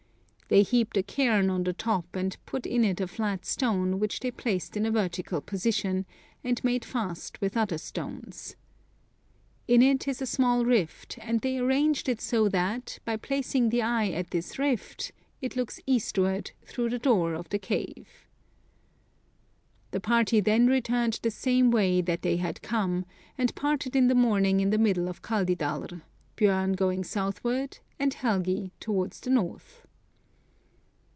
They heaped a cairn on the top and put in it a flat stone, which they placed in a vertical position, and made fast with other stones. In it is a small rift ; and they arranged it so that, by placing the eye at this rift, it looks eastward, through the door of the cave. " The party then returned the same way that they had come, and parted in the morning in the middle of Kaldidalr, Bjdrn going southward, and Helgi towards the north."